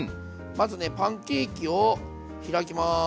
まずねパンケーキを開きます。